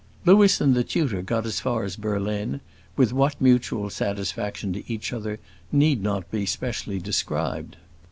Louis and the tutor got as far as Berlin, with what mutual satisfaction to each other need not be specially described.